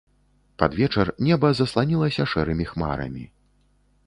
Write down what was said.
Пад вечар неба засланілася шэрымі хмарамі.